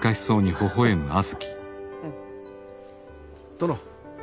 殿。